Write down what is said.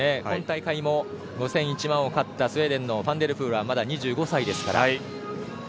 今大会も５０００、１００００で勝ったスウェーデンのファン・デル・プールはまだ２５歳ですから。